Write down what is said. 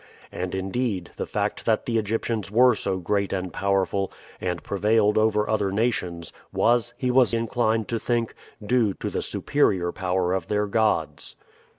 And, indeed, the fact that the Egyptians were so great and powerful, and prevailed over other nations, was, he was inclined to think, due to the superior power of their gods.